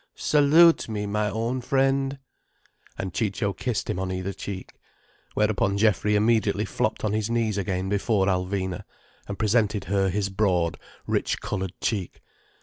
Salute me, my own friend." And Ciccio kissed him on either cheek. Whereupon Geoffrey immediately flopped on his knees again before Alvina, and presented her his broad, rich coloured cheek.